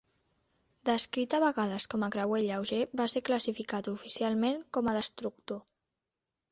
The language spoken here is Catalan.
Descrit a vegades com a "creuer lleuger", va ser classificat oficialment com a destructor.